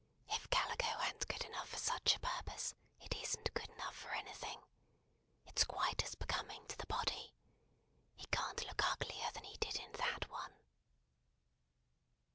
If calico an't good enough for such a purpose, it isn't good enough for anything. It's quite as becoming to the body. He can't look uglier than he did in that one."